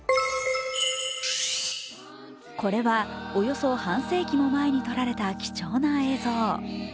これはおよそ半世紀も前に撮られた貴重な映像。